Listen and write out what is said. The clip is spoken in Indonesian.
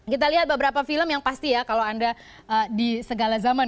kita lihat beberapa film yang pasti ya kalau anda di segala zaman